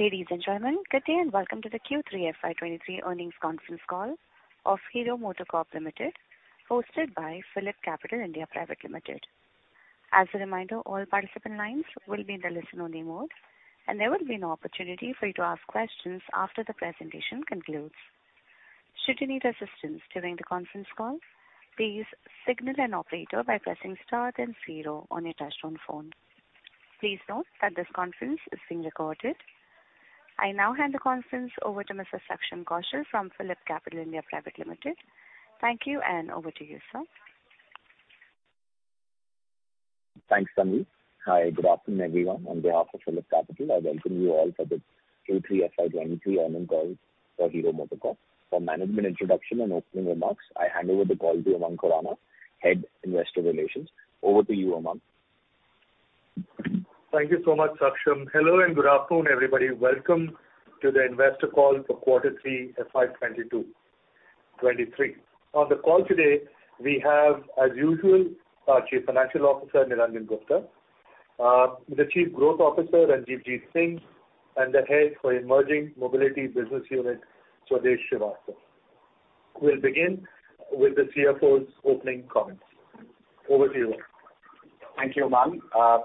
Ladies and gentlemen, good day. Welcome to the Q3 FY 2023 earnings conference call of Hero MotoCorp Limited, hosted by PhillipCapital India Private Limited. As a reminder, all participant lines will be in the listen only mode, and there will be an opportunity for you to ask questions after the presentation concludes. Should you need assistance during the conference call, please signal an operator by pressing star then zero on your touchtone phone. Please note that this conference is being recorded. I now hand the conference over to Mr. Saksham Kaushal from PhillipCapital India Private Limited. Thank you. Over to you, sir. Thanks, Tanvi. Hi, good afternoon, everyone. On behalf of PhillipCapital, I welcome you all for the Q3 FY 2023 earnings call for Hero MotoCorp. For management introduction and opening remarks, I hand over the call to Umang Khurana, Head, Investor Relations. Over to you, Umang. Thank you so much, Saksham. Hello, good afternoon, everybody. Welcome to the investor call for quarter three FY 2022-2023. On the call today, we have, as usual, our Chief Financial Officer, Niranjan Gupta, the Chief Growth Officer, Ranjivjit Singh, and the Head for Emerging Mobility Business Unit, Swadesh Srivastava. We'll begin with the CFO's opening comments. Over to you, sir. Thank you, Umang.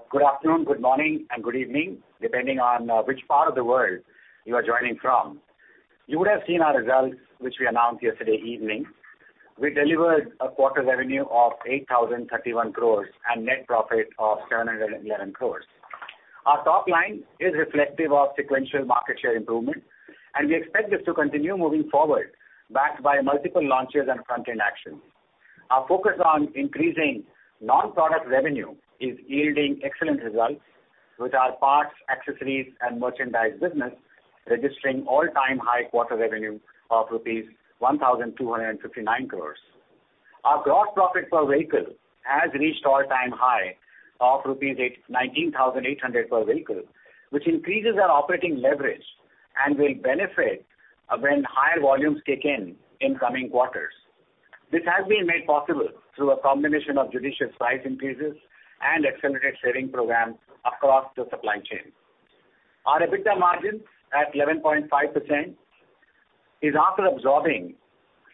Good afternoon, good morning, and good evening, depending on which part of the world you are joining from. You would have seen our results, which we announced yesterday evening. We delivered a quarter revenue of 8,031 crores and net profit of 711 crores. Our top line is reflective of sequential market share improvement. We expect this to continue moving forward, backed by multiple launches and front-end actions. Our focus on increasing non-product revenue is yielding excellent results with our parts, accessories and merchandise business registering all-time high quarter revenue of rupees 1,259 crores. Our gross profit per vehicle has reached all-time high of rupees 19,800 per vehicle, which increases our operating leverage and will benefit when higher volumes kick in in coming quarters. This has been made possible through a combination of judicious price increases and accelerated sharing programs across the supply chain. Our EBITDA margin at 11.5% is after absorbing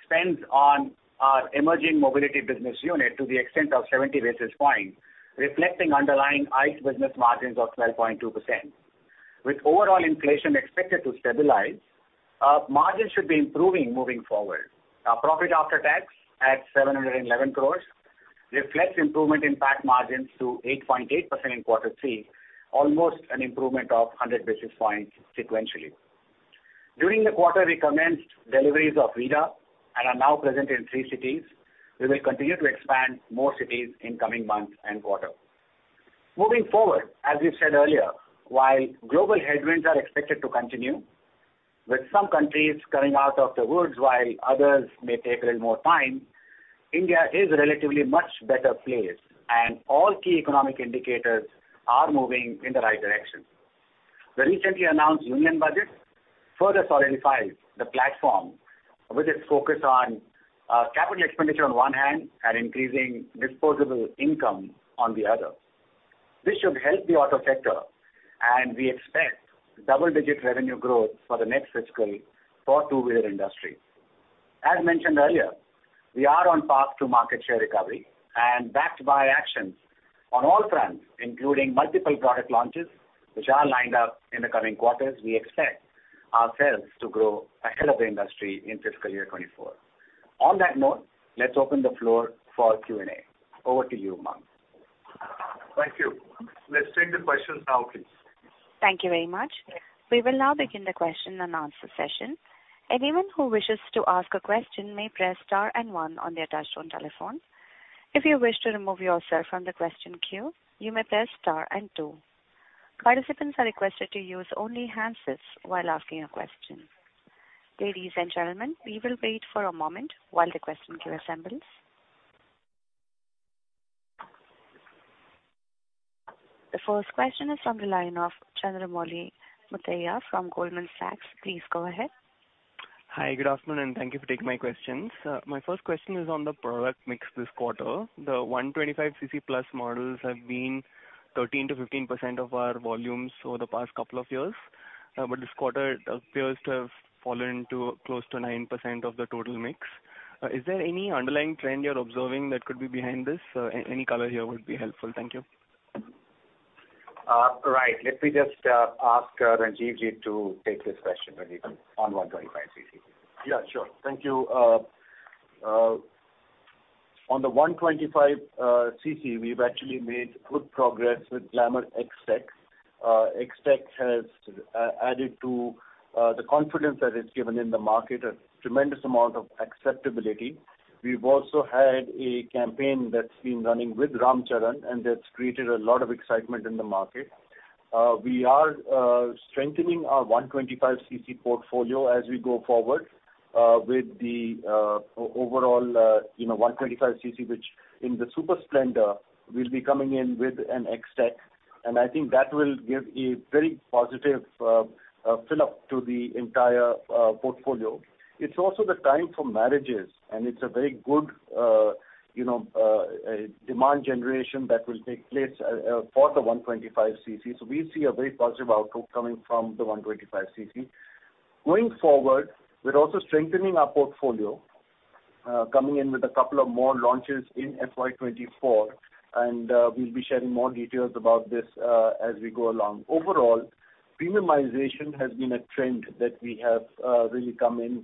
spends on our emerging mobility business unit to the extent of 70 basis points, reflecting underlying ICE business margins of 12.2%. With overall inflation expected to stabilize, our margins should be improving moving forward. Our profit after tax at 711 crores reflects improvement in PAT margins to 8.8% in quarter three, almost an improvement of 100 basis points sequentially. During the quarter, we commenced deliveries of Vida and are now present in three cities. We will continue to expand more cities in coming months and quarter. Moving forward, as we said earlier, while global headwinds are expected to continue, with some countries coming out of the woods while others may take a little more time, India is a relatively much better place. All key economic indicators are moving in the right direction. The recently announced union budget further solidifies the platform with its focus on capital expenditure on one hand and increasing disposable income on the other. This should help the auto sector. We expect double-digit revenue growth for the next fiscal for two-wheeler industry. As mentioned earlier, we are on path to market share recovery and backed by actions on all fronts, including multiple product launches, which are lined up in the coming quarters. We expect ourselves to grow ahead of the industry in fiscal year 24. On that note, let's open the floor for Q&A. Over to you, Umang. Thank you. Let's take the questions now, please. Thank you very much. We will now begin the question and answer session. Anyone who wishes to ask a question may press star and one on their touchtone telephone. If you wish to remove yourself from the question queue, you may press star and two. Participants are requested to use only handsets while asking a question. Ladies and gentlemen, we will wait for a moment while the question queue assembles. The first question is from the line of Chandramouli Muthiah from Goldman Sachs. Please go ahead. Hi. Good afternoon, and thank you for taking my questions. My first question is on the product mix this quarter. The 125cc plus models have been 13%-15% of our volumes over the past couple of years. This quarter it appears to have fallen to close to 9% of the total mix. Is there any underlying trend you're observing that could be behind this? Any color here would be helpful. Thank you. Right. Let me just ask Ranjivjit to take this question, Ranjiv, on 125cc. Yeah, sure. Thank you. On the 125cc, we've actually made good progress with Glamour XTEC. XTEC has added to the confidence that is given in the market a tremendous amount of acceptability. We've also had a campaign that's been running with Ram Charan, and that's created a lot of excitement in the market. We are strengthening our 125cc portfolio as we go forward, with the overall, you know, 125cc, which in the Super Splendor will be coming in with an XTEC, and I think that will give a very positive fill up to the entire portfolio. It's also the time for marriages, and it's a very good, you know, demand generation that will take place for the 125cc. We see a very positive outlook coming from the 125cc. Going forward, we're also strengthening our portfolio, coming in with a couple of more launches in FY 2024, we'll be sharing more details about this as we go along. Overall, premiumization has been a trend that we have really come in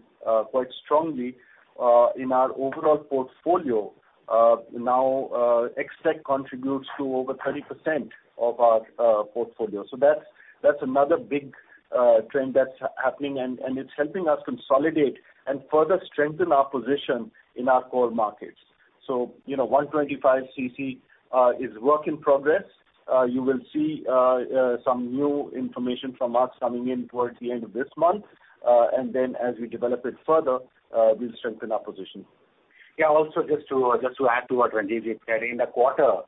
quite strongly in our overall portfolio. Now, XTEC contributes to over 30% of our portfolio. That's another big trend that's happening and it's helping us consolidate and further strengthen our position in our core markets. You know, 125cc is work in progress. You will see some new information from us coming in towards the end of this month. Then as we develop it further, we'll strengthen our position. Yeah. Also just to add to what Ranjivjit said. In the quarter,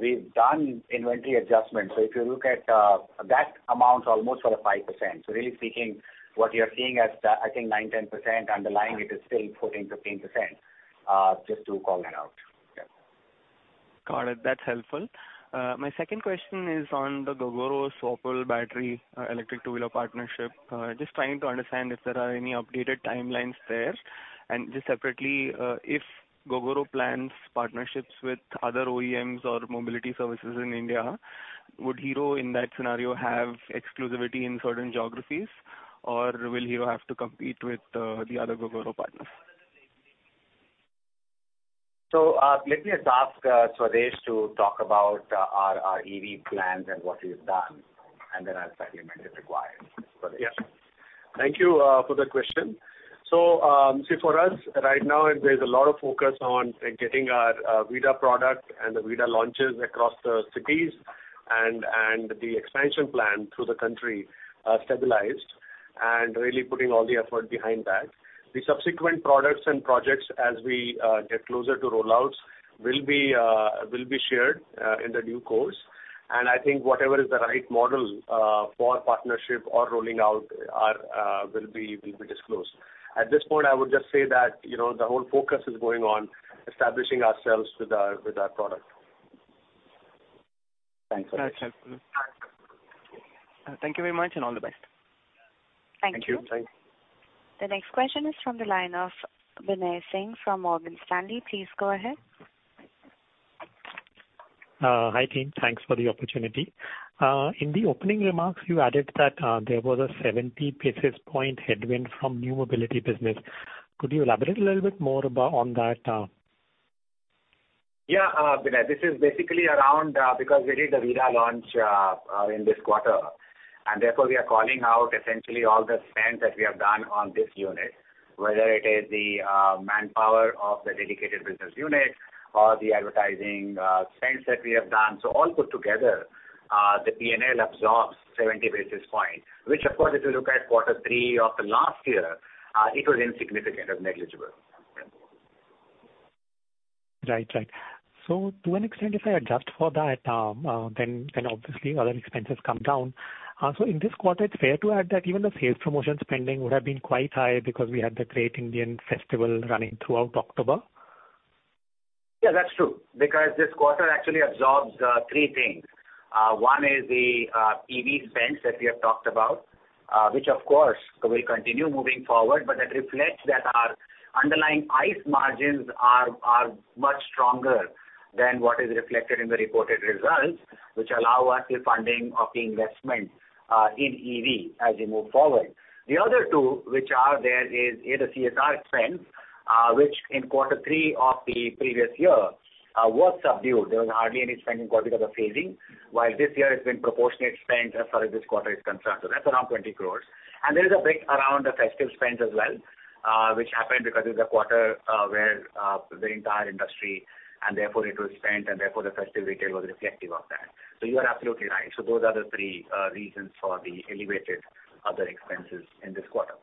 we've done inventory adjustments. If you look at that amount almost sort of 5%. Really speaking, what you're seeing as the, I think 9%, 10% underlying it is still 14%, 15%. Just to call that out. Yeah. Got it. That's helpful. My second question is on the Gogoro swappable battery, electric two-wheeler partnership. Just trying to understand if there are any updated timelines there. Just separately, if Gogoro plans partnerships with other OEMs or mobility services in India, would Hero in that scenario have exclusivity in certain geographies, or will Hero have to compete with the other Gogoro partners? Let me just ask Swadesh to talk about our EV plans and what he's done, and then I'll supplement if required. Swadesh. Yeah. Thank you for the question. See for us right now, there's a lot of focus on getting our Vida product and the Vida launches across the cities and the expansion plan through the country stabilized and really putting all the effort behind that. The subsequent products and projects as we get closer to rollouts will be shared in the due course. I think whatever is the right model for partnership or rolling out are will be disclosed. At this point, I would just say that, you know, the whole focus is going on establishing ourselves with our product. Thanks, Swadesh. That's helpful. Thank you very much, and all the best. Thank you. Thank you. Thanks. The next question is from the line of Binay Singh from Morgan Stanley. Please go ahead. Hi, team. Thanks for the opportunity. In the opening remarks, you added that there was a 70 basis point headwind from new mobility business. Could you elaborate a little bit more about on that? Yeah. Binay, this is basically around, because we did the Vida launch, in this quarter, and therefore we are calling out essentially all the spend that we have done on this unit, whether it is the manpower of the dedicated business unit or the advertising, spends that we have done. All put together, the PNL absorbs 70 basis points, which of course, if you look at quarter three of the last year, it was insignificant or negligible. Right. Right. To an extent, if I adjust for that, then obviously other expenses come down. In this quarter, it's fair to add that even the sales promotion spending would have been quite high because we had the Great Indian Festival running throughout October. Yeah, that's true. This quarter actually absorbs three things. One is the EV spends that we have talked about, which of course will continue moving forward, but that reflects that our underlying ICE margins are much stronger than what is reflected in the reported results, which allow us the funding of the investment in EV as we move forward. The other two which are there is either CSR spends, which in quarter three of the previous year was subdued. There was hardly any spend in quarter because of phasing, while this year it's been proportionate spend as far as this quarter is concerned. That's around 20 crores. There is a bit around the festive spends as well, which happened because it's a quarter, where, the entire industry and therefore it was spent, and therefore the festivity was reflective of that. You are absolutely right. Those are the 3 reasons for the elevated other expenses in this quarter.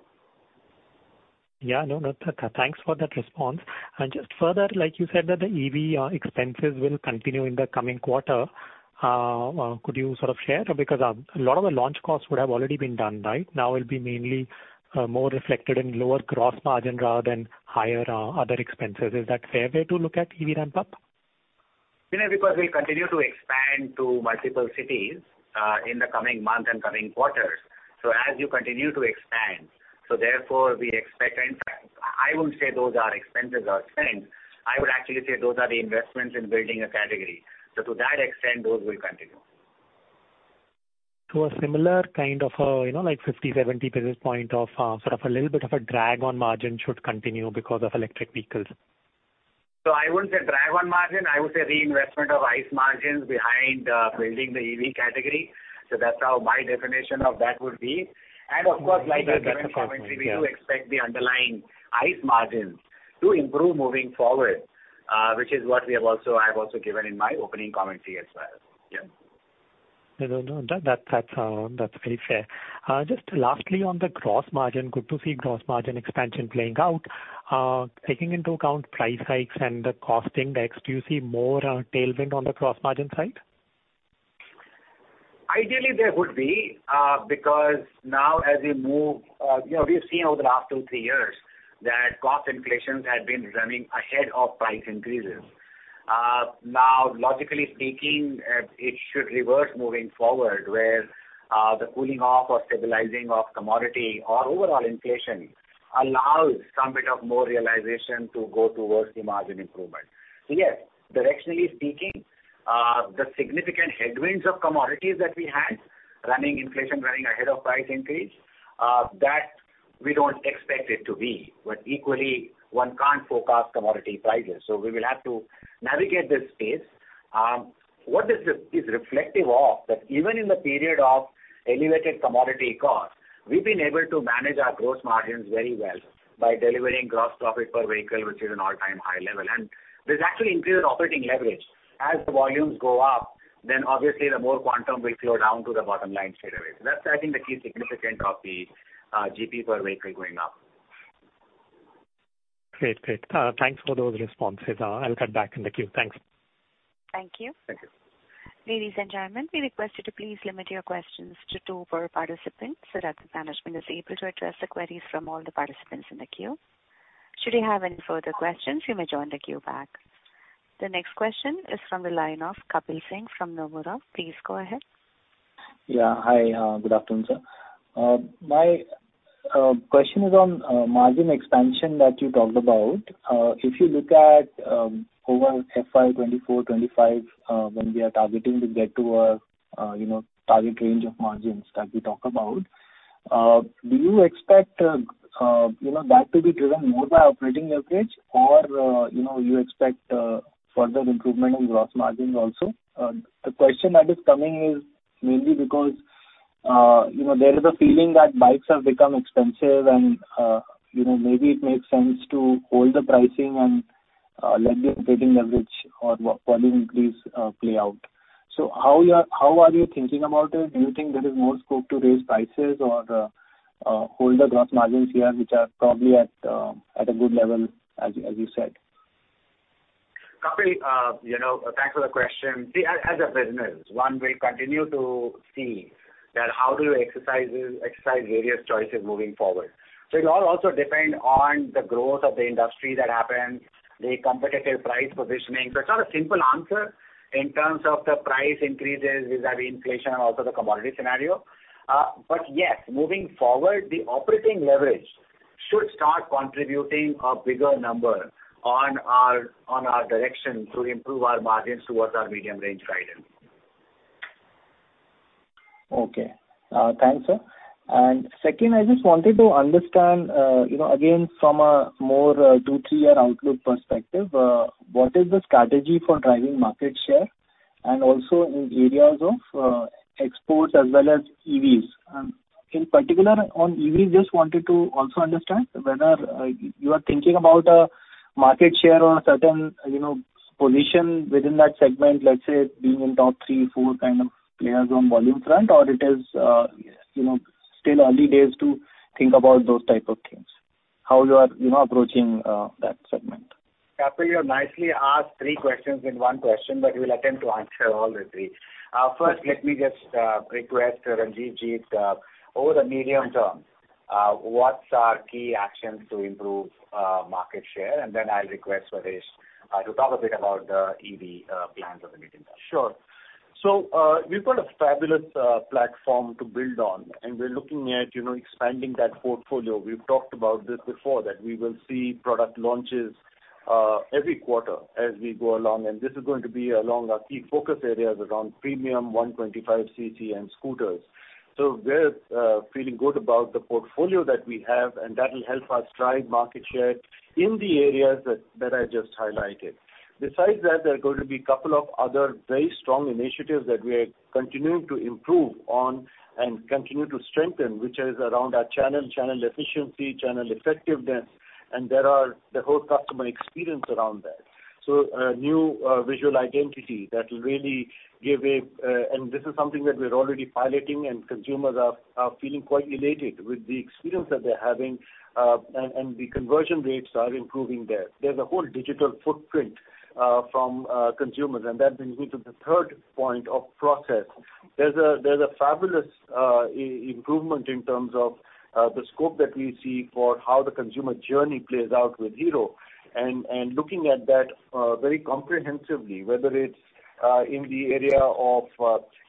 Yeah. No, no. Thanks for that response. Just further, like you said, that the EV expenses will continue in the coming quarter. Could you sort of share? Because a lot of the launch costs would have already been done, right? Now it'll be mainly more reflected in lower gross margin rather than higher other expenses. Is that a fair way to look at EV ramp-up? Binay, because we continue to expand to multiple cities, in the coming months and coming quarters. As you continue to expand, therefore we expect. In fact, I wouldn't say those are expenses or spends. I would actually say those are the investments in building a category. To that extent, those will continue. A similar kind of, you know, like 50, 70 basis point of, sort of a little bit of a drag on margin should continue because of electric vehicles. I wouldn't say drag on margin. I would say reinvestment of ICE margins behind building the EV category. That's how my definition of that would be. Of course, like I given in commentary. That's appropriate. Yeah. We do expect the underlying ICE margins to improve moving forward, which is what I have also given in my opening commentary as well. No. That's very fair. Just lastly, on the gross margin, good to see gross margin expansion playing out. Taking into account price hikes and the costing mix, do you see more tailwind on the gross margin side? Ideally, there would be, because now as we move, you know, we've seen over the last two, three years that cost inflations had been running ahead of price increases. Now logically speaking, it should reverse moving forward, where the cooling off or stabilizing of commodity or overall inflation allows some bit of more realization to go towards the margin improvement. Yes, directionally speaking, the significant headwinds of commodities that we had running inflation, running ahead of price increase, that we don't expect it to be. Equally, one can't forecast commodity prices. We will have to navigate this space. What is reflective of that even in the period of elevated commodity costs, we've been able to manage our gross margins very well by delivering gross profit per vehicle, which is an all-time high level. There's actually increased operating leverage. As the volumes go up, then obviously the more quantum will flow down to the bottom line straightaway. That's I think the key significance of the GP per vehicle going up. Great. Great. Thanks for those responses. I'll cut back in the queue. Thanks. Thank you. Thank you. Ladies and gentlemen, we request you to please limit your questions to two per participant so that the management is able to address the queries from all the participants in the queue. Should you have any further questions, you may join the queue back. The next question is from the line of Kapil Singh from Nomura. Please go ahead. Yeah. Hi. Good afternoon, sir. My question is on margin expansion that you talked about. If you look at over FY 2024, 2025, when we are targeting to get to a, you know, target range of margins that we talk about, do you expect, you know, that to be driven more by operating leverage or, you know, you expect further improvement in gross margins also? The question that is coming is mainly because, you know, there is a feeling that bikes have become expensive and, you know, maybe it makes sense to hold the pricing and let the operating leverage or volume increase play out. How are you thinking about it? Do you think there is more scope to raise prices or hold the gross margins here, which are probably at a good level, as you said? Kapil, you know, thanks for the question. As a business, one will continue to see that how do you exercise various choices moving forward. It will also depend on the growth of the industry that happens, the competitive price positioning. It's not a simple answer in terms of the price increases vis-à-vis inflation and also the commodity scenario. Yes, moving forward, the operating leverage should start contributing a bigger number on our direction to improve our margins towards our medium range guidance. Okay. Thanks, sir. Second, I just wanted to understand, you know, again, from a more, two, three-year outlook perspective, what is the strategy for driving market share and also in areas of exports as well as EV's? In particular on EV, just wanted to also understand whether you are thinking about a market share or a certain, you know, position within that segment, let's say being in top three, four kind of players on volume front or it is, you know, still early days to think about those type of things? How you are, you know, approaching that segment? Kapil, you have nicely asked three questions in one question. We will attempt to answer all the three. First, let me just request Ranjivjit over the medium term, what's our key actions to improve market share? Then I'll request Swadesh to talk a bit about the EV plans of the medium term. Sure. We've got a fabulous platform to build on, and we're looking at, you know, expanding that portfolio. We've talked about this before, that we will see product launches every quarter as we go along. This is going to be along our key focus areas around premium 125cc and scooters. We're feeling good about the portfolio that we have, and that will help us drive market share in the areas that I just highlighted. Besides that, there are going to be a couple of other very strong initiatives that we are continuing to improve on and continue to strengthen, which is around our channel efficiency, channel effectiveness, and there are the whole customer experience around that. A new visual identity that will really give a, and this is something that we're already piloting and consumers are feeling quite elated with the experience that they're having. And the conversion rates are improving there. There's a whole digital footprint from consumers, and that brings me to the third point of process. There's a fabulous improvement in terms of the scope that we see for how the consumer journey plays out with Hero. Looking at that very comprehensively, whether it's in the area of,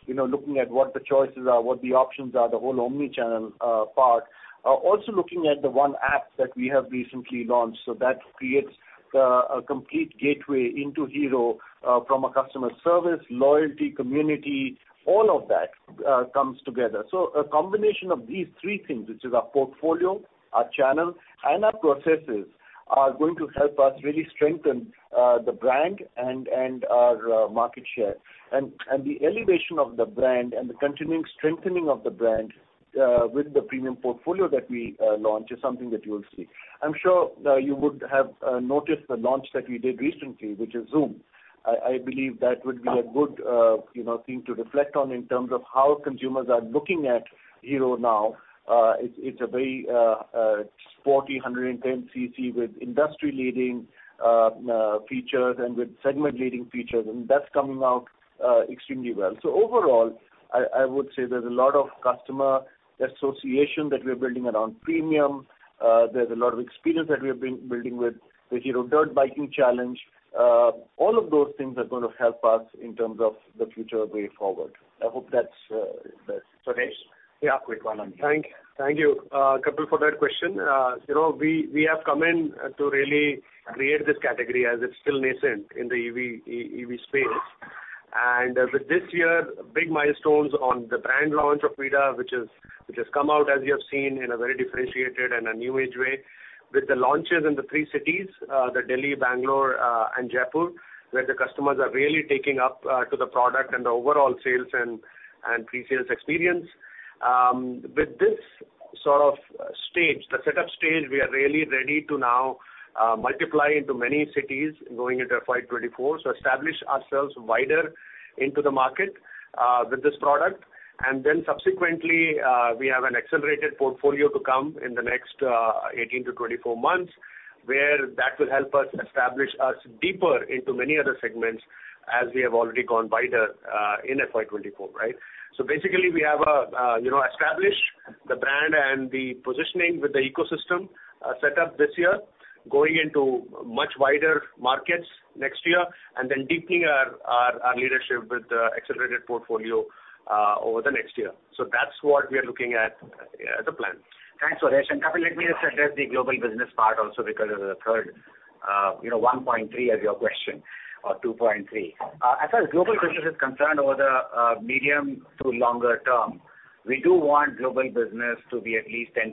you know, looking at what the choices are, what the options are, the whole omni-channel part. Also looking at the one app that we have recently launched. That creates a complete gateway into Hero from a customer service, loyalty, community, all of that comes together. A combination of these three things, which is our portfolio, our channel, and our processes are going to help us really strengthen the brand and our market share. The elevation of the brand and the continuing strengthening of the brand with the premium portfolio that we launch is something that you will see. I'm sure you would have noticed the launch that we did recently, which is Xoom. I believe that would be a good, you know, thing to reflect on in terms of how consumers are looking at Hero now. It's a very sporty 110cc with industry leading features and with segment leading features, and that's coming out extremely well. Overall, I would say there's a lot of customer association that we're building around premium. There's a lot of experience that we're building with the Hero Dirt Biking Challenge. All of those things are gonna help us in terms of the future way forward. I hope that's that-. Swadesh? Yeah. Quick one on EV. Thank you, Kapil, for that question. You know, we have come in to really create this category as it's still nascent in the EV space. With this year, big milestones on the brand launch of Vida, which has come out as you have seen in a very differentiated and a new age way. With the launches in the three cities, the Delhi, Bangalore, and Jaipur, where the customers are really taking up to the product and the overall sales and pre-sales experience. With this sort of stage, the setup stage, we are really ready to now multiply into many cities going into FY 2024, establish ourselves wider into the market with this product. Subsequently, we have an accelerated portfolio to come in the next 18-24 months, where that will help us establish us deeper into many other segments as we have already gone wider in FY 2024, right. Basically, we have, you know, established the brand and the positioning with the ecosystem, set up this year, going into much wider markets next year, and then deepening our leadership with the accelerated portfolio over the next year. That's what we are looking at as a plan. Thanks, Swadesh. Kapil, let me just address the global business part also because of the third, 1.3 of your question, or 2.3. As far as global business is concerned over the medium to longer term, we do want global business to be at least 10%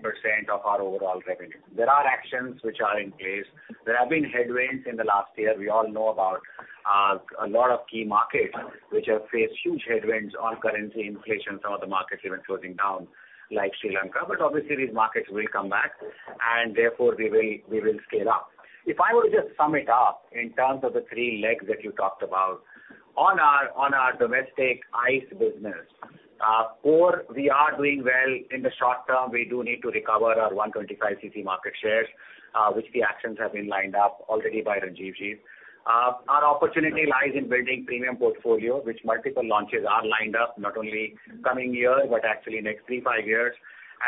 of our overall revenue. There are actions which are in place. There have been headwinds in the last year. We all know about a lot of key markets which have faced huge headwinds on currency inflation, some of the markets even closing down, like Sri Lanka. Obviously, these markets will come back, and therefore we will scale up. If I were to just sum it up in terms of the three legs that you talked about, on our domestic ICE business core, we are doing well. In the short term, we do need to recover our 125cc market shares, which the actions have been lined up already by Ranjivjit. Our opportunity lies in building premium portfolio, which multiple launches are lined up not only coming year, but actually next three, five years.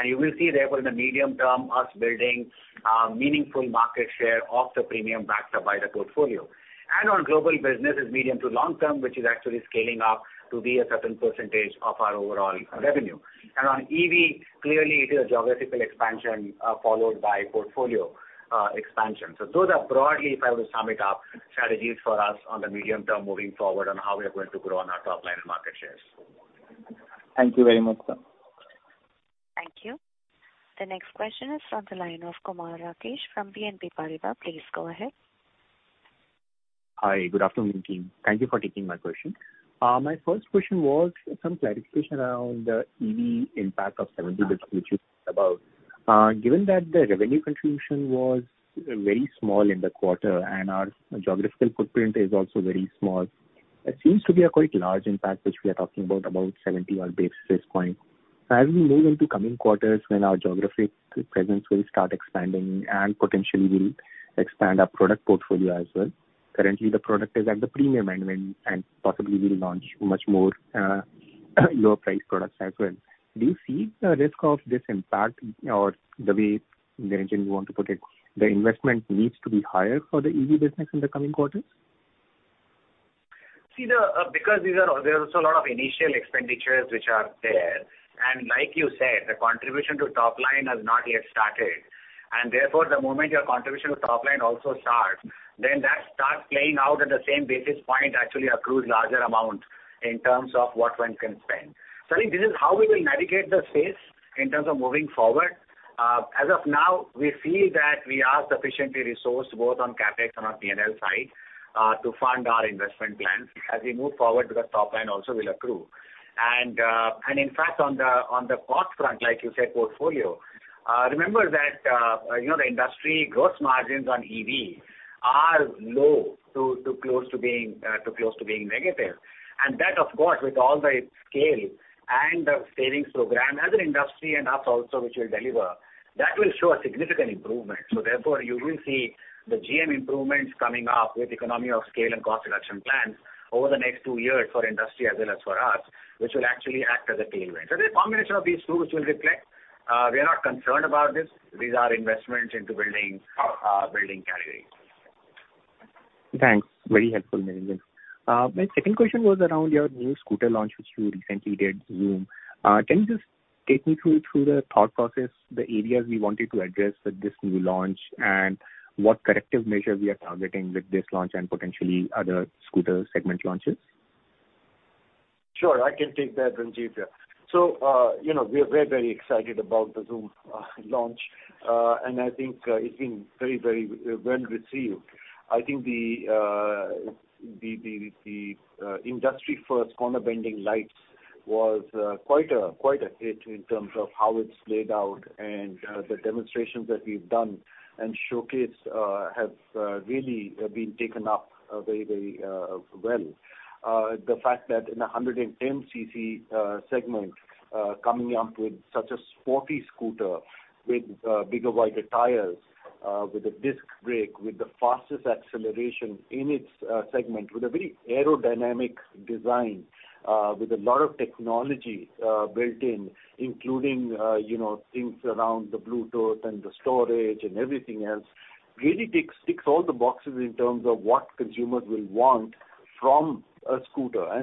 You will see therefore in the medium term us building meaningful market share of the premium backed up by the portfolio. On global business is medium to long term, which is actually scaling up to be a certain percentage of our overall revenue. On EV, clearly it is a geographical expansion, followed by portfolio expansion. Those are broadly, if I were to sum it up, strategies for us on the medium term moving forward on how we are going to grow on our top line and market shares. Thank you very much, sir. Thank you. The next question is from the line of Kumar Rakesh from BNP Paribas. Please go ahead. Hi, good afternoon, team. Thank you for taking my question. My first question was some clarification around the EV impact of 70 basis which you spoke about. Given that the revenue contribution was very small in the quarter and our geographical footprint is also very small, it seems to be a quite large impact, which we are talking about 70 odd basis points. As we move into coming quarters, when our geographic presence will start expanding and potentially we'll expand our product portfolio as well. Currently, the product is at the premium end and possibly will launch much more lower priced products as well. Do you see the risk of this impact or the way, Niranjan, you want to put it, the investment needs to be higher for the EV business in the coming quarters? See the because there's also a lot of initial expenditures which are there, and like you said, the contribution to top line has not yet started. Therefore, the moment your contribution to top line also starts, then that starts playing out at the same basis point actually accrues larger amount in terms of what one can spend. I think this is how we will navigate the space in terms of moving forward. As of now, we feel that we are sufficiently resourced both on CapEx and our P&L side, to fund our investment plans as we move forward because top line also will accrue. In fact, on the cost front, like you said, portfolio, remember that, you know, the industry gross margins on EV are low to close to being negative. That of course, with all the scale and the savings program as an industry and us also which will deliver, that will show a significant improvement. Therefore, you will see the GM improvements coming up with economy of scale and cost reduction plans over the next two years for industry as well as for us, which will actually act as a tailwind. The combination of these two which will reflect, we are not concerned about this. These are investments into building categories. Thanks. Very helpful, Niranjan. My second question was around your new scooter launch, which you recently did, Xoom. Can you just take me through the thought process, the areas we wanted to address with this new launch, and what corrective measures we are targeting with this launch and potentially other scooter segment launches? Sure, I can take that, Ranjiv here. You know, we are very, very excited about the Xoom launch. I think it's been very, very well received. I think the industry first corner bending lights was quite a quite a hit in terms of how it's laid out and the demonstrations that we have done and showcased have really been taken up very, very well. The fact that in a 110cc segment, coming up with such a sporty scooter with bigger, wider tires, with a disc brake, with the fastest acceleration in its segment, with a very aerodynamic design, with a lot of technology built in, including, you know, things around the Bluetooth and the storage and everything else, really ticks all the boxes in terms of what consumers will want from a scooter. I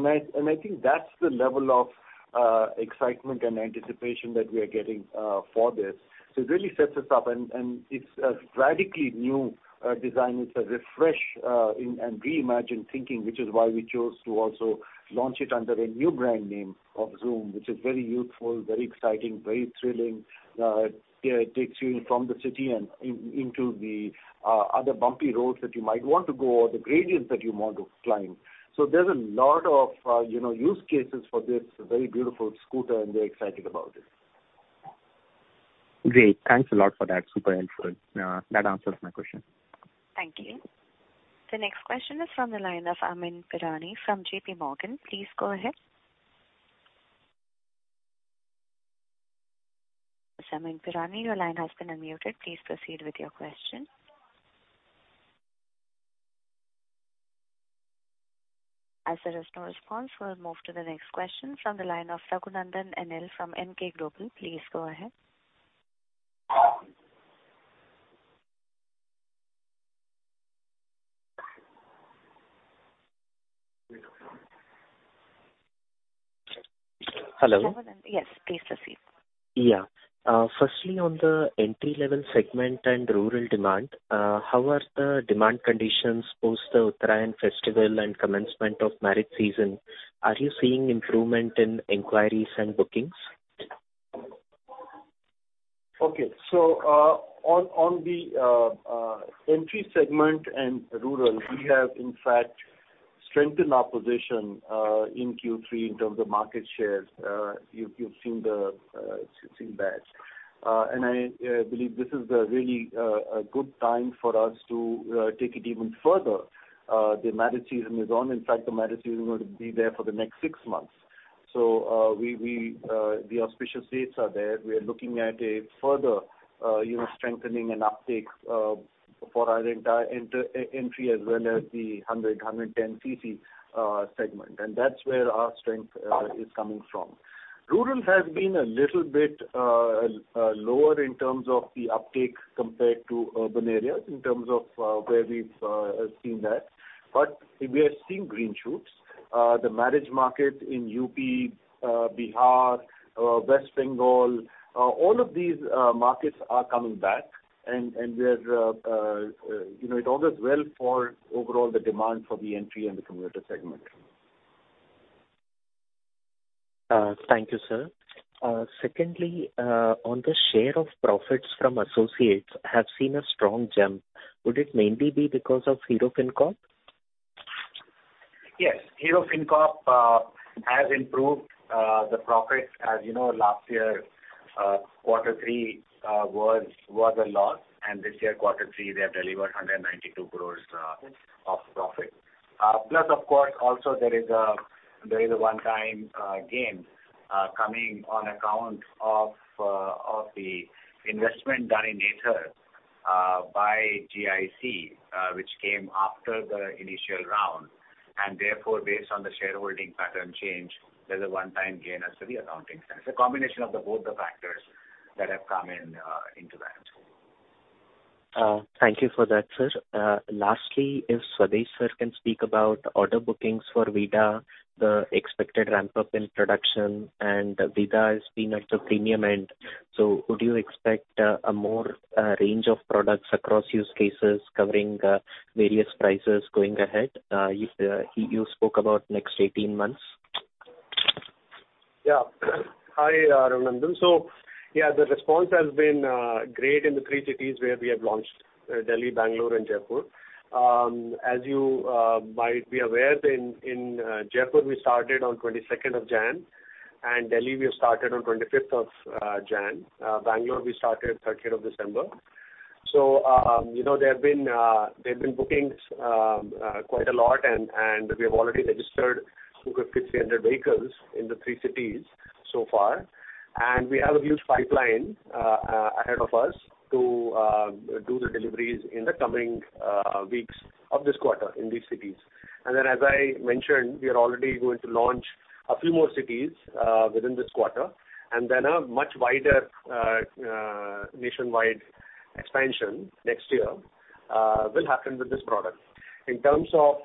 think that's the level of excitement and anticipation that we are getting for this. It really sets us up and it's a radically new design. It's a refresh and reimagined thinking, which is why we chose to also launch it under a new brand name of Xoom, which is very youthful, very exciting, very thrilling. It, it takes you from the city and into the other bumpy roads that you might want to go, or the gradients that you want to climb. There's a lot of, you know, use cases for this very beautiful scooter, and we're excited about it. Great. Thanks a lot for that. Super helpful. That answers my question. Thank you. The next question is from the line of Amyn Pirani from JPMorgan. Please go ahead. Amyn Pirani, your line has been unmuted. Please proceed with your question. As there is no response, we'll move to the next question from the line of Raghunandan NL from Emkay Global. Please go ahead. Hello. Raghunandan, yes, please proceed. Yeah. firstly, on the entry-level segment and rural demand, how are the demand conditions post the Uttarayan festival and commencement of marriage season? Are you seeing improvement in inquiries and bookings? Okay. On the entry segment and rural, we have in fact strengthened our position in Q3 in terms of market shares. You've seen the, you've seen that. I believe this is a really good time for us to take it even further. The marriage season is on. In fact, the marriage season will be there for the next six months. We, the auspicious dates are there. We are looking at a further, you know, strengthening and uptake for our entire e-entry as well as the 100, 110cc segment. That's where our strength is coming from. Rural has been a little bit lower in terms of the uptake compared to urban areas in terms of where we've seen that. We are seeing green shoots. The marriage market in UP, Bihar, West Bengal, all of these markets are coming back and we're, you know, it all goes well for overall the demand for the entry and the commuter segment. Thank you, sir. Secondly, on the share of profits from associates have seen a strong jump. Would it mainly be because of Hero FinCorp? Yes. Hero FinCorp has improved the profits. As you know, last year, quarter three was a loss, and this year, quarter three, they have delivered 192 crores of profit. Plus of course also there is a one-time gain coming on account of the investment done in Ather by GIC, which came after the initial round. Therefore, based on the shareholding pattern change, there's a one-time gain as per the accounting stance. A combination of the both the factors that have come in into that as well. Thank you for that, sir. Lastly, if Swadesh can speak about order bookings for Vida, the expected ramp-up in production, and Vida has been at the premium end. Would you expect a more range of products across use cases covering various prices going ahead, if you spoke about next 18 months? Yeah. Hi, Raghunandan. Yeah, the response has been great in the three cities where we have launched Delhi, Bangalore and Jaipur. As you might be aware, in Jaipur, we started on 22nd of January, and Delhi we have started on 25th of January. Bangalore we started 13th of December. You know, there have been bookings quite a lot and we have already registered 250, 300 vehicles in the three cities so far. We have a huge pipeline ahead of us to do the deliveries in the coming weeks of this quarter in these cities. As I mentioned, we are already going to launch a few more cities within this quarter, and then a much wider nationwide expansion next year will happen with this product. In terms of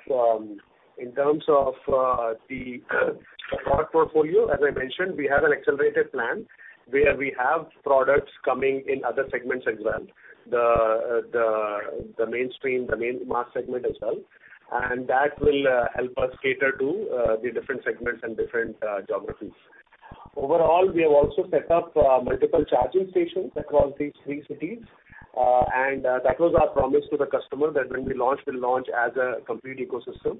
the product portfolio, as I mentioned, we have an accelerated plan where we have products coming in other segments as well. The mainstream, the main mass segment as well. That will help us cater to the different segments and different geographies. Overall, we have also set up multiple charging stations across these three cities. That was our promise to the customer that when we launch, we'll launch as a complete ecosystem.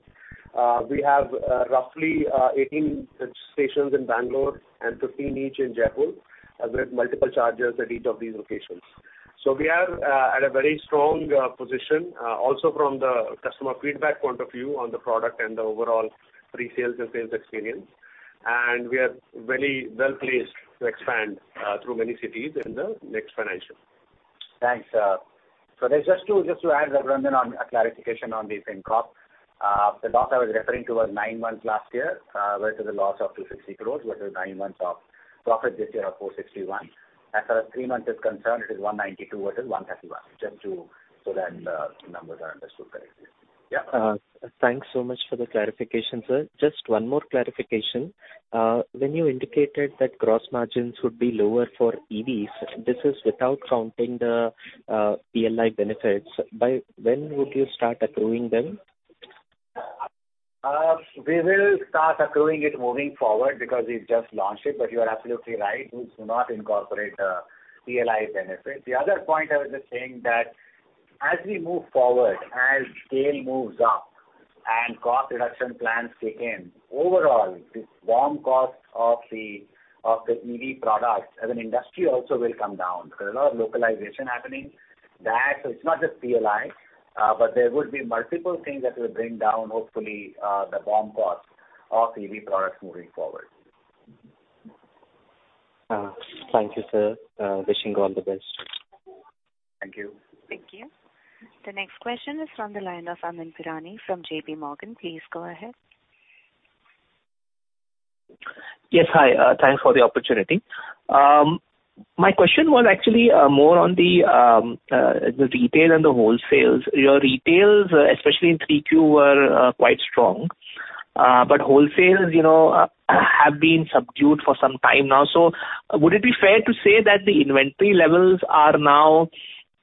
We have roughly 18 such stations in Bangalore and 15 each in Jaipur with multiple chargers at each of these locations. We are at a very strong position also from the customer feedback point of view on the product and the overall pre-sales and sales experience. We are very well placed to expand through many cities in the next financial. Thanks, sir. There's just to add, Raghu Nandan, on a clarification on the FinCorp. The loss I was referring to was nine months last year, where it was a loss of 260 crore versus nine months of profit this year of 461. As far as three months is concerned, it is 192 versus 131. So that the numbers are understood correctly. Yeah. Thanks so much for the clarification, sir. Just one more clarification. When you indicated that gross margins would be lower for EVs, this is without counting the PLI benefits. By when would you start accruing them? We will start accruing it moving forward because we've just launched it. You are absolutely right, we do not incorporate PLI benefits. The other point I was just saying that as we move forward, as scale moves up and cost reduction plans kick in, overall, the BOM cost of the EV products as an industry also will come down. There's a lot of localization happening. It's not just PLI, but there would be multiple things that will bring down, hopefully, the BOM cost of EV products moving forward. Thank you, sir. Wishing you all the best. Thank you. Thank you. The next question is from the line of Amyn Pirani from JPMorgan. Please go ahead. Hi. Thanks for the opportunity. My question was actually more on the retail and the wholesales. Your retails, especially in Q3, were quite strong. Wholesales, you know, have been subdued for some time now. Would it be fair to say that the inventory levels are now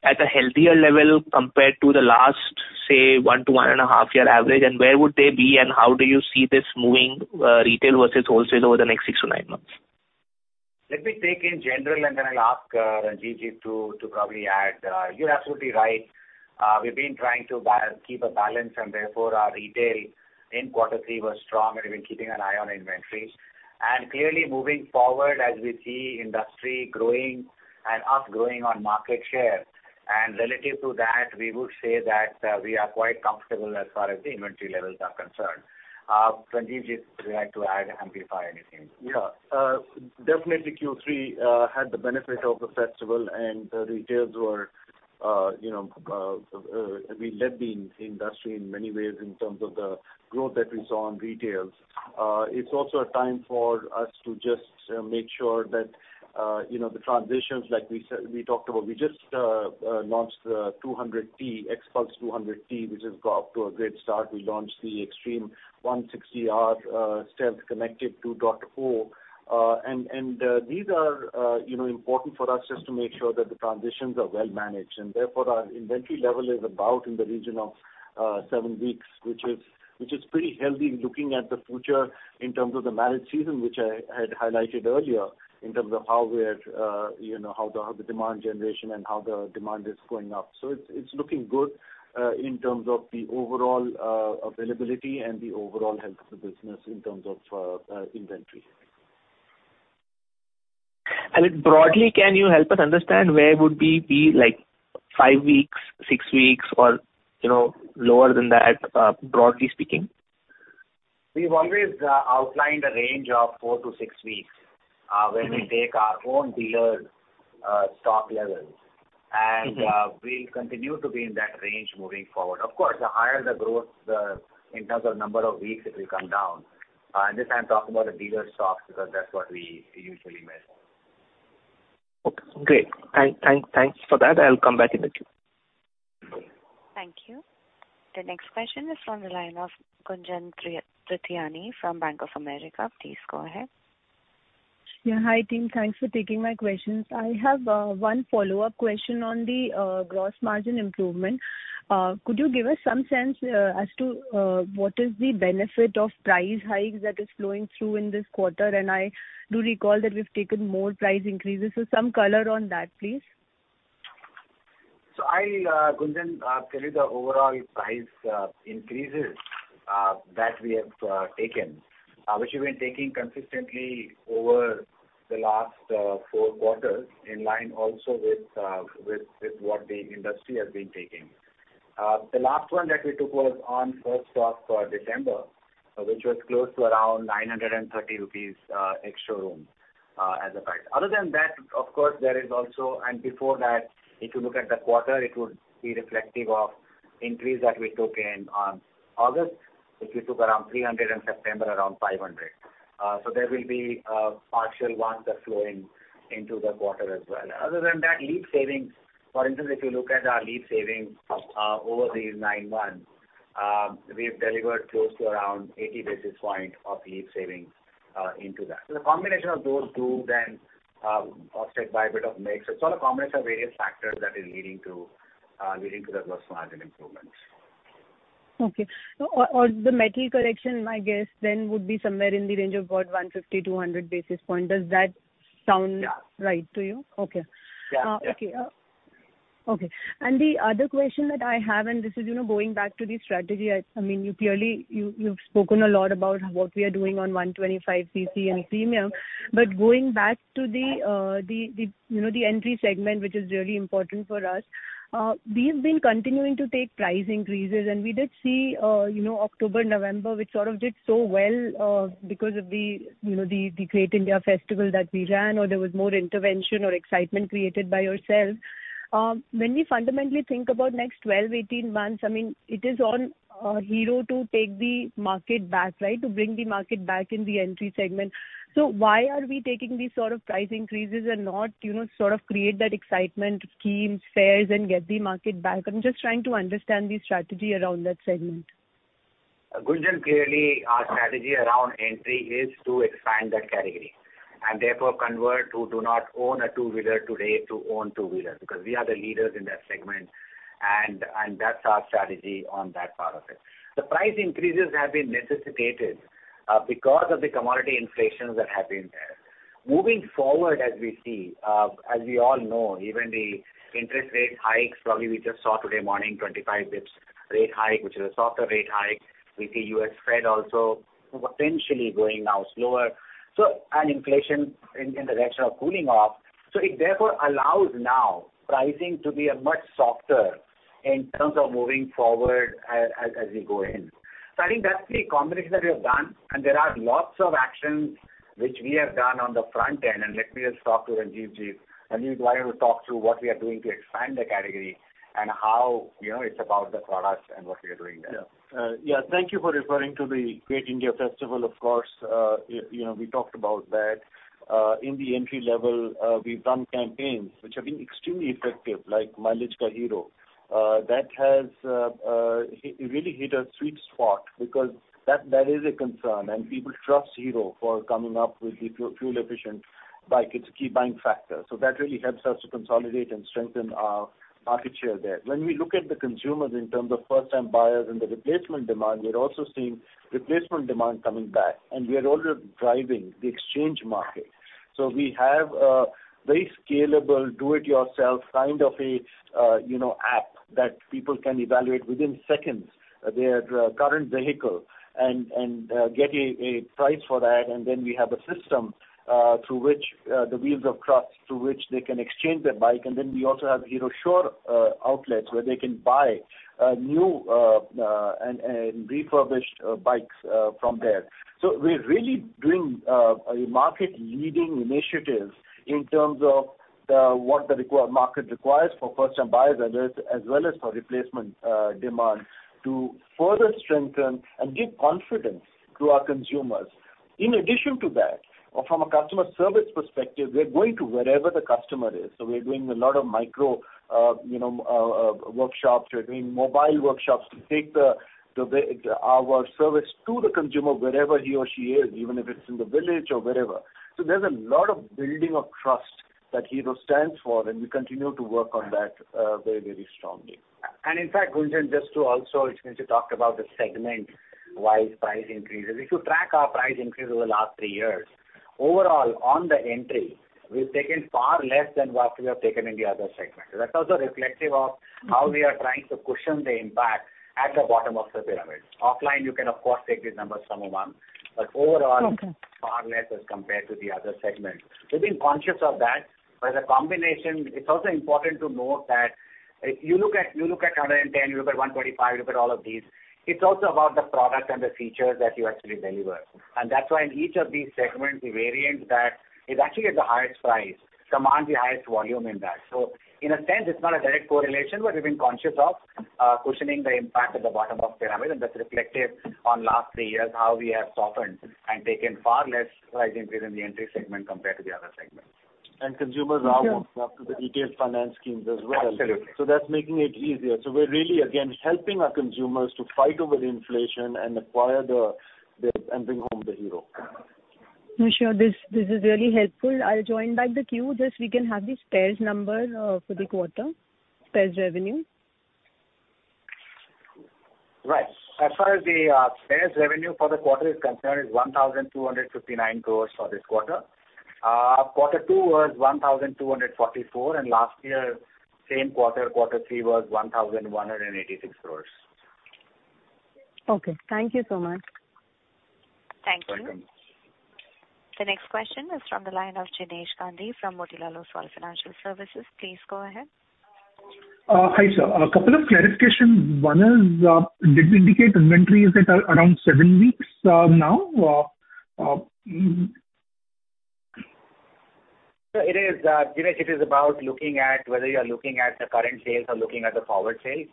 at a healthier level compared to the last, say, 1-1.5 year average? Where would they be, and how do you see this moving, retail versus wholesale over the next six-nine months? Let me take in general. I'll ask Ranjivjit to probably add. You're absolutely right. We've been trying to keep a balance. Therefore, our retail in quarter three was strong. We're keeping an eye on inventories. Clearly moving forward, as we see industry growing and us growing on market share, and relative to that, we would say that we are quite comfortable as far as the inventory levels are concerned. Ranjivjit, would you like to add, amplify anything? Yeah. Definitely Q3 had the benefit of the festival and the retails were, you know, we led the industry in many ways in terms of the growth that we saw on retails. It's also a time for us to just make sure that, you know, the transitions, like we said, we talked about, we just launched XPulse 200T, which has got off to a great start. We launched the Xtreme 160R Stealth Connected 2.0. These are, you know, important for us just to make sure that the transitions are well managed, and therefore our inventory level is about in the region of seven weeks, which is pretty healthy looking at the future in terms of the marriage season, which I had highlighted earlier, in terms of how we're, you know, how the demand generation and how the demand is going up. It's looking good, in terms of the overall availability and the overall health of the business in terms of inventory. Broadly, can you help us understand where would we be, like five weeks, six weeks, or, you know, lower than that, broadly speaking? We've always outlined a range of four-six weeks when we take our own dealer stock levels. Mm-hmm. We'll continue to be in that range moving forward. Of course, the higher the growth, in terms of number of weeks, it will come down. This I'm talking about the dealer stocks, because that's what we usually measure. Okay, great. Thanks for that. I'll come back if I need you. Thank you. The next question is from the line of Gunjan Prithyani from Bank of America. Please go ahead. Yeah. Hi, team. Thanks for taking my questions. I have one follow-up question on the gross margin improvement. Could you give us some sense as to what is the benefit of price hikes that is flowing through in this quarter? I do recall that we've taken more price increases. Some color on that, please. I'll Gunjan tell you the overall price increases that we have taken, which we've been taking consistently over the last four quarters, in line also with what the industry has been taking. The last one that we took was on first of December, which was close to around 930 rupees ex-showroom as a price. Other than that, of course, there is also. Before that, if you look at the quarter, it would be reflective of increase that we took in August, which we took around 300, in September around 500. There will be partial ones that flow in into the quarter as well. Other than that, LEAP savings, for instance, if you look at our LEAP savings, over these nine months, we've delivered close to around 80 basis point of LEAP savings into that. The combination of those two then, offset by a bit of mix. It's all a combination of various factors that is leading to leading to the gross margin improvements. Okay. The metal correction, my guess then would be somewhere in the range of what, 150-100 basis points. Does that sound. Yeah. right to you? Okay. Yeah. Yeah. Okay. Okay. The other question that I have, and this is, you know, going back to the strategy. I mean, you clearly, you've spoken a lot about what we are doing on 125cc and premium. Going back to the, the, you know, the entry segment, which is really important for us, we've been continuing to take price increases and we did see, you know, October, November, which sort of did so well, because of the, you know, the Great Indian Festival that we ran, or there was more intervention or excitement created by yourself. When we fundamentally think about next 12, 18 months, I mean, it is on Hero to take the market back, right? To bring the market back in the entry segment. Why are we taking these sort of price increases and not, you know, sort of create that excitement, schemes, fairs, and get the market back? I'm just trying to understand the strategy around that segment. Gunjan, clearly our strategy around entry is to expand that category and therefore convert who do not own a two-wheeler today to own two-wheeler. Because we are the leaders in that segment and that's our strategy on that part of it. The price increases have been necessitated because of the commodity inflations that have been there. Moving forward, as we see, as we all know, even the interest rate hikes, probably we just saw today morning, 25 basis points rate hike, which is a softer rate hike. We see U.S. Fed also potentially going now slower. And inflation in the direction of cooling off. It therefore allows now pricing to be a much softer in terms of moving forward as we go in. I think that's the combination that we have done. There are lots of actions which we have done on the front end. Let me just talk to Ranjivjit. Ranjiv, do you wanna talk through what we are doing to expand the category and how, you know, it's about the products and what we are doing there? Thank you for referring to the Great Indian Festival. Of course, you know, we talked about that. In the entry level, we've done campaigns which have been extremely effective, like Mileage Ka Hero. That has really hit a sweet spot because that is a concern and people trust Hero for coming up with the fuel efficient bike. It's a key buying factor. That really helps us to consolidate and strengthen our market share there. We look at the consumers in terms of first time buyers and the replacement demand, we're also seeing replacement demand coming back and we are also driving the exchange market. We have a very scalable do it yourself kind of a, you know, app that people can evaluate within seconds their current vehicle and get a price for that. Then we have a system through which the Wheels of Trust through which they can exchange their bike. Then we also have Hero Sure outlets where they can buy new and refurbished bikes from there. We're really doing a market leading initiatives in terms of what the market requires for first time buyers as well as for replacement demand to further strengthen and give confidence to our consumers. In addition to that, or from a customer service perspective, we're going to wherever the customer is. We're doing a lot of micro, you know, workshops. We're doing mobile workshops to take our service to the consumer wherever he or she is, even if it's in the village or wherever. There's a lot of building of trust that Hero stands for, and we continue to work on that, very, very strongly. In fact, Gunjan, just to also, since you talked about the segment-wide price increases. If you track our price increase over the last three years, overall on the entry, we've taken far less than what we have taken in the other segments. That's also reflective of how we are trying to cushion the impact at the bottom of the pyramid. Offline, you can of course take these numbers from Umang, but overall. Okay. far less as compared to the other segments. We've been conscious of that. It's also important to note that if you look at 110, you look at 125, you look at all of these, it's also about the product and the features that you actually deliver. That's why in each of these segments, the variants that is actually at the highest price commands the highest volume in that. In a sense, it's not a direct correlation, but we've been conscious of cushioning the impact at the bottom of pyramid. That's reflective on last three years, how we have softened and taken far less price increase in the entry segment compared to the other segments. Consumers are also up to the easy finance schemes as well. Absolutely. That's making it easier. We're really, again, helping our consumers to fight over the inflation and acquire the and bring home the Hero. Sure. This is really helpful. I'll join back the queue. Just we can have the spares number, for the quarter. Spares revenue. Right. As far as the spares revenue for the quarter is concerned, is 1,259 crores for this quarter. Q2 was 1,244 crores, and last year, same quarter three was 1,186 crores. Okay. Thank you so much. Welcome. Thank you. The next question is from the line of Jinesh Gandhi from Motilal Oswal Financial Services. Please go ahead. Hi, sir. A couple of clarification. One is, did you indicate inventories that are around seven weeks, now? It is, Jinesh, it is about looking at whether you are looking at the current sales or looking at the forward sales.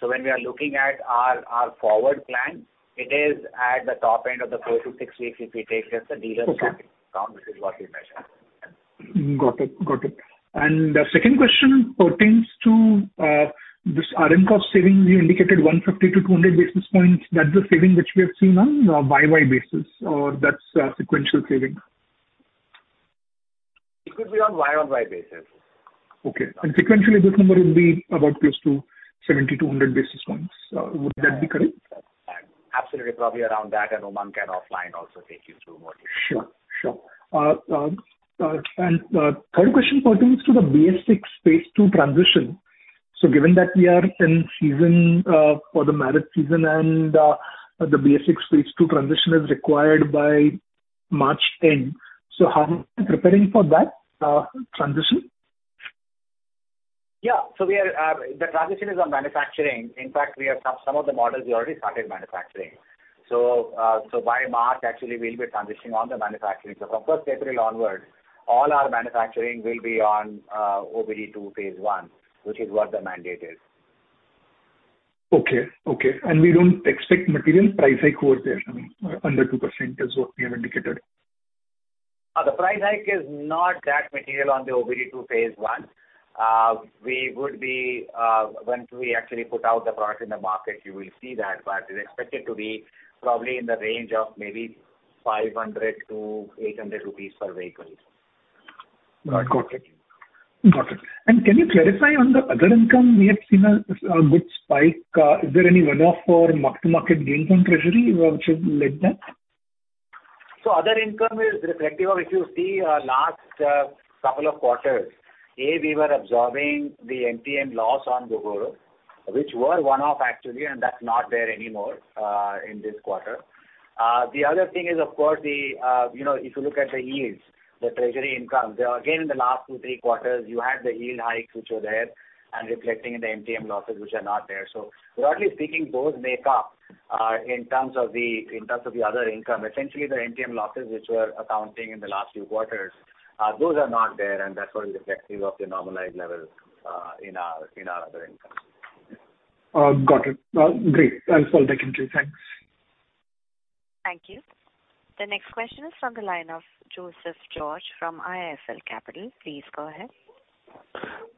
When we are looking at our forward plan, it is at the top end of the four-six weeks if we take just the dealer stock. This is what we measure. Got it. Got it. The second question pertains to this RM cost savings. You indicated 150-200 basis points. That's the saving which we have seen on a YY basis or that's a sequential saving? It could be on Y on Y basis. Okay. Sequentially, this number would be about close to 70-100 basis points. Would that be correct? Absolutely. Probably around that. Umang can offline also take you through more details. Sure, sure. Third question pertains to the BS6 Phase II transition. Given that we are in season, for the marriage season and the BS6 Phase II transition is required by March end, how are you preparing for that transition? Yeah. We are, the transition is on manufacturing. In fact, we have some of the models we already started manufacturing. By March, actually we'll be transitioning on the manufacturing. From 1st April onwards, all our manufacturing will be on OBD2 Phase I, which is what the mandate is. Okay. Okay. We don't expect material price hike over there, I mean under 2% is what we have indicated. The price hike is not that material on the OBD2 Phase I. We would be, once we actually put out the product in the market, you will see that. It's expected to be probably in the range of maybe 500-800 rupees per vehicle. Right. Got it. Got it. Can you clarify on the other income, we have seen a good spike. Is there any one-off for mark-to-market gains on treasury which have led that? Other income is reflective of if you see, last couple of quarters, we were absorbing the MTM loss on Gogoro, which were one-off actually, and that's not there anymore in this quarter. The other thing is of course the, you know, if you look at the yields, the treasury income, they are again in the last two, three quarters, you had the yield hikes which were there and reflecting in the MTM losses which are not there. Broadly speaking, those make up in terms of the other income. Essentially, the MTM losses which were accounting in the last few quarters, those are not there and that's what reflective of the normalized level in our other income. Got it. Great. That's all. Thank you. Thanks. Thank you. The next question is from the line of Joseph George from IIFL Capital. Please go ahead.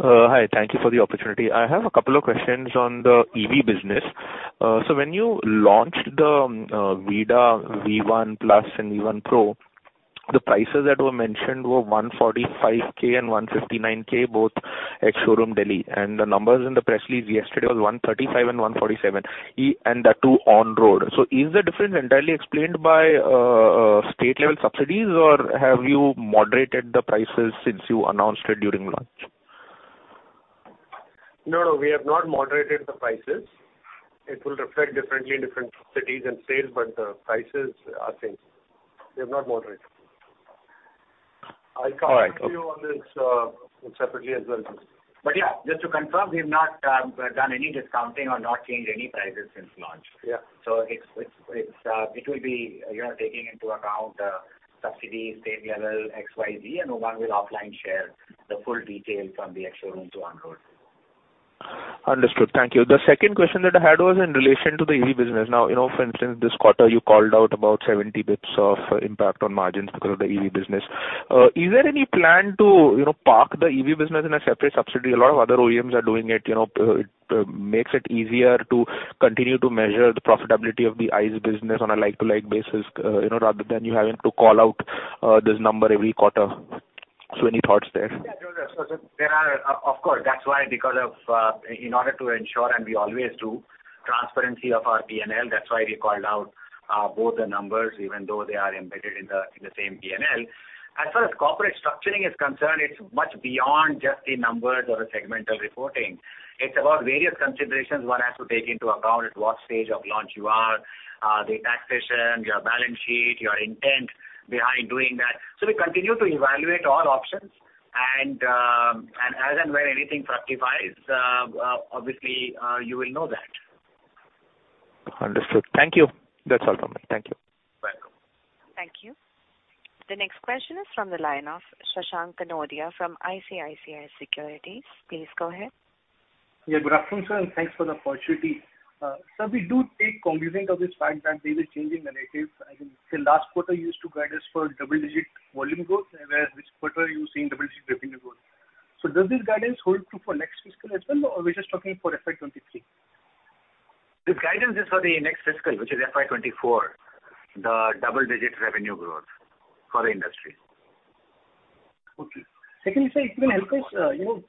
Hi. Thank you for the opportunity. I have a couple of questions on the EV business. When you launched the Vida V1 Plus and V1 Pro, the prices that were mentioned were 145K and 159K, both ex-showroom Delhi. The numbers in the press release yesterday was 135K and 147K and that too on road. Is the difference entirely explained by state level subsidies, or have you moderated the prices since you announced it during launch? No, no, we have not moderated the prices. It will reflect differently in different cities and sales. The prices are same. We have not moderated. All right. I'll come to you on this separately as well, Joseph. Yeah, just to confirm, we've not done any discounting or not changed any prices since launch. Yeah. It will be, you know, taking into account subsidies, state level, X, Y, Z, and Umang Khurana will offline share the full detail from the ex-showroom to on road. Understood. Thank you. The second question that I had was in relation to the EV business. Now, you know, for instance, this quarter you called out about 70 basis points of impact on margins because of the EV business. Is there any plan to, you know, park the EV business in a separate subsidy? A lot of other OEMs are doing it, you know, it makes it easier to continue to measure the profitability of the ICE business on a like-to-like basis, you know, rather than you having to call out this number every quarter. Any thoughts there? Joseph. Of course, that's why because of, in order to ensure, and we always do transparency of our P&L, that's why we called out both the numbers even though they are embedded in the same P&L. As far as corporate structuring is concerned, it's much beyond just the numbers or the segmental reporting. It's about various considerations one has to take into account at what stage of launch you are, the taxation, your balance sheet, your intent behind doing that. We continue to evaluate all options and as and when anything fructifies, obviously, you will know that. Understood. Thank you. That's all from me. Thank you. Welcome. Thank you. The next question is from the line of Shashank Kanodia from ICICI Securities. Please go ahead. Yeah, good afternoon, sir. Thanks for the opportunity. Sir, we do take cognizance of this fact that there is a changing narrative. I think till last quarter you used to guide us for double-digit volume growth, whereas this quarter you're seeing double-digit revenue growth. Does this guidance hold true for next fiscal as well, or we're just talking for FY 2023? The guidance is for the next fiscal, which is FY 2024, the double-digit revenue growth for the industry. Okay. Secondly, sir, if you can help us, you know,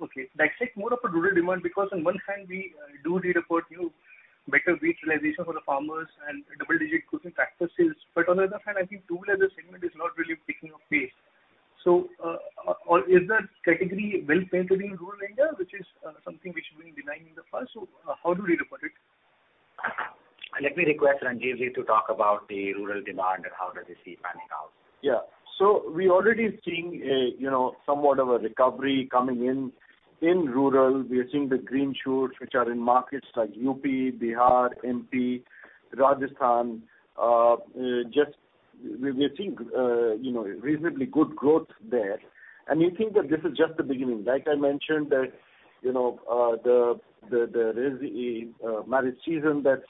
the exit more of a rural demand because on one hand we do read about new better wheat realization for the farmers and double-digit growth in tractor sales. On the other hand, I think two-wheeler segment is not really picking up pace. Is that category well penetrated in rural India, which is something which has been delaying in the past? How do you look at it? Let me request Ranjivjit to talk about the rural demand and how does he see panning out. We're already seeing a, you know, somewhat of a recovery coming in in rural. We are seeing the green shoots which are in markets like UP, Bihar, MP, Rajasthan. Just we think, you know, reasonably good growth there. We think that this is just the beginning. Like I mentioned that, you know, there is a marriage season that's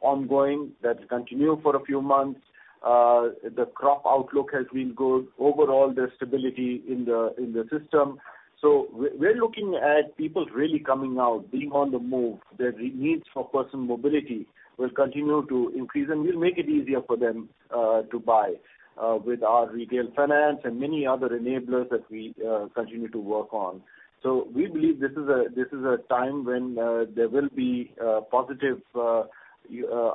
ongoing, that continue for a few months. The crop outlook has been good. Overall, there's stability in the system. We're looking at people really coming out, being on the move. Their needs for personal mobility will continue to increase, and we'll make it easier for them to buy with our retail finance and many other enablers that we continue to work on. We believe this is a time when there will be positive,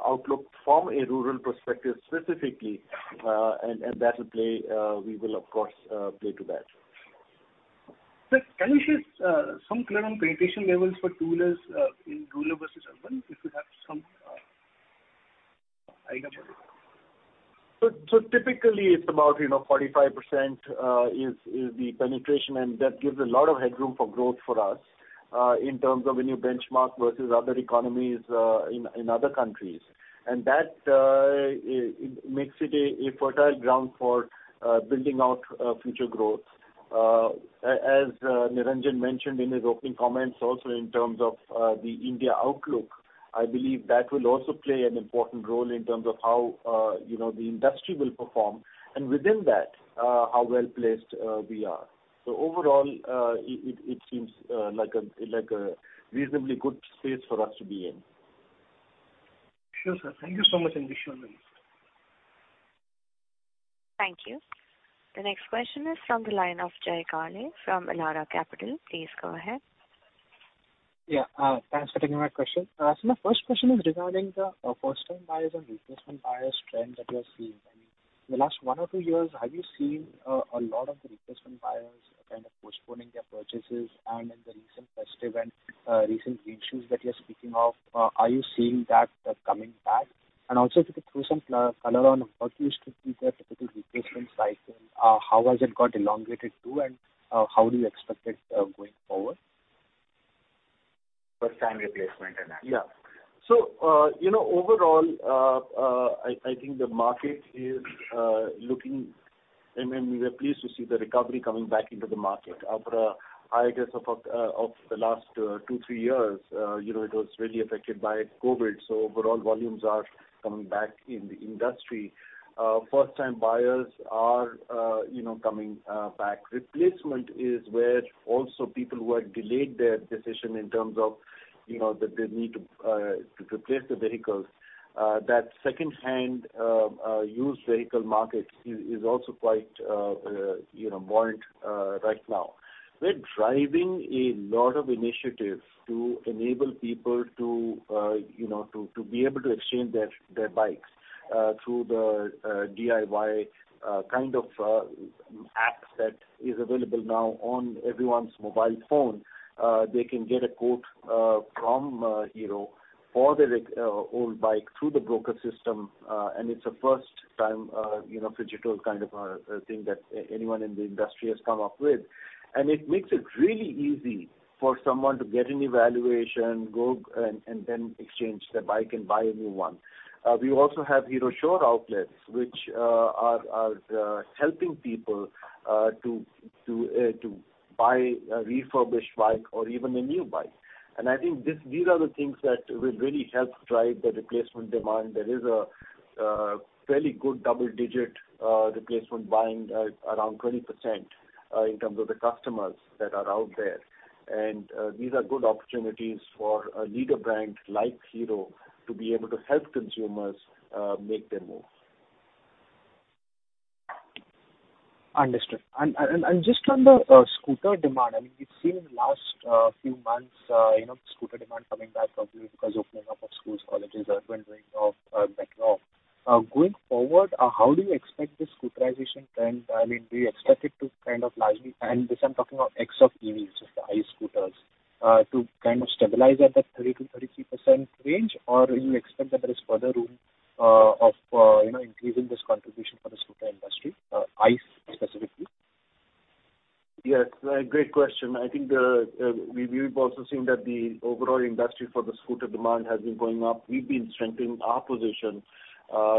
outlook from a rural perspective specifically, and that will play, we will of course, play to that. Sir, can you share some clear on penetration levels for two-wheelers in rural versus urban, if you have some idea about it? Typically it's about, you know, 45% is the penetration, and that gives a lot of headroom for growth for us in terms of when you benchmark versus other economies in other countries. That makes it a fertile ground for building out future growth. As Niranjan mentioned in his opening comments also in terms of the India outlook, I believe that will also play an important role in terms of how, you know, the industry will perform and within that, how well-placed we are. Overall, it seems like a reasonably good space for us to be in. Sure, sir. Thank you so much. Wish you well. Thank you. The next question is from the line of Jay Kale from Elara Capital. Please go ahead. Yeah. Thanks for taking my question. My first question is regarding the first time buyers and replacement buyers trends that you are seeing. I mean, in the last one or two years, have you seen a lot of the replacement buyers kind of postponing their purchases and in the recent festive and recent rain shoes that you're speaking of, are you seeing that coming back? Also if you could throw some color on what used to be the typical replacement cycle, how has it got elongated too, and how do you expect it going forward? First time replacement and that. Yeah. You know, overall, I think the market is looking and we are pleased to see the recovery coming back into the market after a hiatus of the last two, three years. You know, it was really affected by COVID. Overall volumes are coming back in the industry. First time buyers are, you know, coming back. Replacement is where also people who had delayed their decision in terms of, you know, that they need to replace the vehicles. That second-hand used vehicle market is also quite, you know, buoyant right now. We're driving a lot of initiatives to enable people to, you know, to be able to exchange their bikes through the DIY kind of apps that is available now on everyone's mobile phone. They can get a quote from Hero for their old bike through the broker system. It's a first time, you know, phygital kind of thing that anyone in the industry has come up with. It makes it really easy for someone to get an evaluation, go and then exchange their bike and buy a new one. We also have Hero Sure outlets which are helping people to buy a refurbished bike or even a new bike. I think these are the things that will really help drive the replacement demand. There is a fairly good double digit replacement buying at around 20% in terms of the customers that are out there. These are good opportunities for a leader brand like Hero to be able to help consumers make their move. Understood. And just on the scooter demand, I mean, we've seen in the last few months, you know, scooter demand coming back probably because opening up of schools, colleges, urban doing of metro. Going forward, how do you expect the scooterization trend? I mean, do you expect it to kind of largely, and this I'm talking about X of EVs, just the high scooters, to kind of stabilize at that 30%-33% range? Or do you expect that there is further room of, you know, increasing this contribution for the scooter industry, ICE specifically? Yes, a great question. I think the, we've also seen that the overall industry for the scooter demand has been going up. We've been strengthening our position.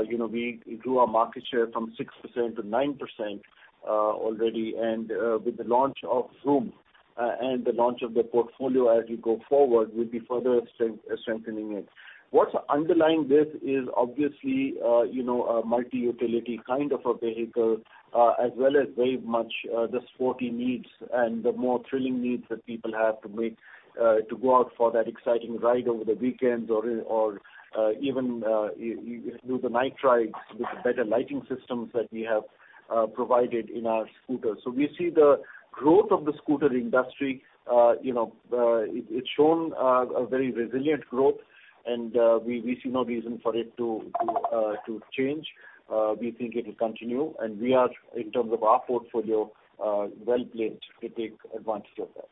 You know, we grew our market share from 6% to 9% already. With the launch of Xoom, and the launch of the portfolio as we go forward, we'll be further strengthening it. What's underlying this is obviously, you know, a multi-utility kind of a vehicle, as well as very much, the sporty needs and the more thrilling needs that people have to make, to go out for that exciting ride over the weekends or, even, do the night rides with better lighting systems that we have provided in our scooters. We see the growth of the scooter industry. You know, it's shown a very resilient growth, and we see no reason for it to change. We think it'll continue. We are, in terms of our portfolio, well-placed to take advantage of that.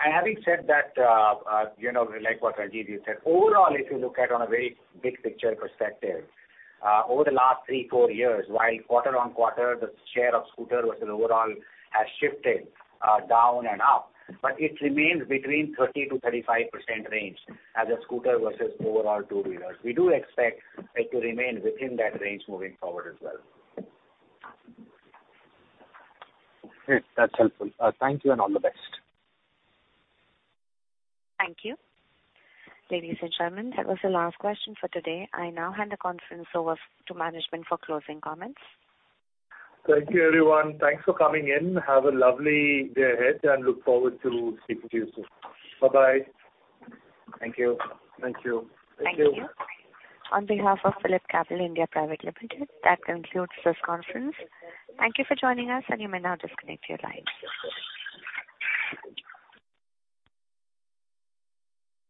Having said that, you know, like what Ranjivjit just said, overall if you look at on a very big picture perspective, over the last three, four years, while quarter on quarter the share of scooter versus overall has shifted, down and up, but it remains between 30%-35% range as a scooter versus overall two wheelers. We do expect it to remain within that range moving forward as well. Great. That's helpful. Thank you and all the best. Thank you. Ladies and gentlemen, that was the last question for today. I now hand the conference over to management for closing comments. Thank you everyone. Thanks for coming in. Have a lovely day ahead, and look forward to speaking to you soon. Bye-bye. Thank you. Thank you. Thank you. On behalf of PhillipCapital India Private Limited, that concludes this conference. Thank you for joining us, and you may now disconnect your lines.